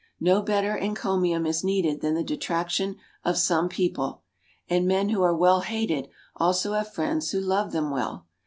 No better encomium is needed than the detraction of some people. And men who are well hated also have friends who love them well.